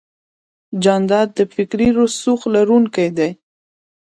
جانداد د فکري رسوخ لرونکی دی.